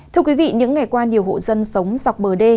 thưa quý vị những ngày qua nhiều hộ dân sống dọc bờ đê